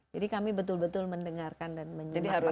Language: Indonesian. jadi kami betul betul mendengarkan dan menyemak mereka